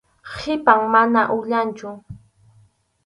Qhipan, mana uyanchu.